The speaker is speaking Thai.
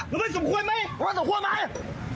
มึงไม่สมควรไหมมึงไม่สมควรไหม